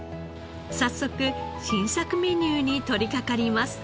早速新作メニューに取りかかります。